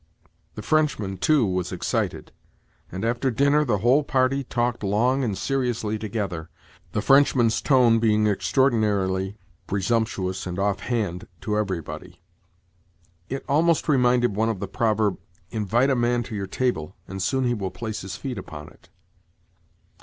The Frenchman, too, was excited, and after dinner the whole party talked long and seriously together—the Frenchman's tone being extraordinarily presumptuous and offhand to everybody. It almost reminded one of the proverb, "Invite a man to your table, and soon he will place his feet upon it."